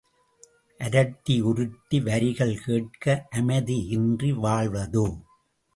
அரட்டி உருட்டி வரிகள் கேட்க அமைதி யின்றி வாழ்வதோ?